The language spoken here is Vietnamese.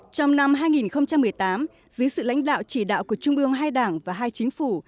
trong năm hai nghìn một mươi tám dưới sự lãnh đạo chỉ đạo của trung ương hai đảng và hai chính phủ